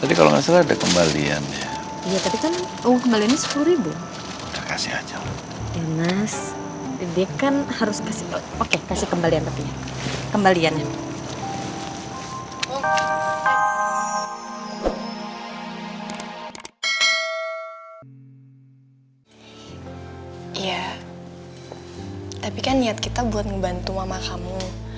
iya tapi kan niat kita buat ngebantu mama kamu